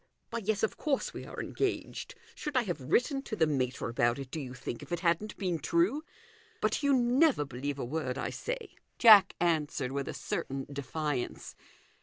" Why, yes ; of course we are engaged. Should I have written to the mater about it, do you think, if it hadn't been true ? But you never believe a word I say," Jack answered, with a certain defiance.